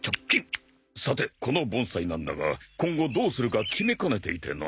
さてこの盆栽なんだが今後どうするか決めかねていてな。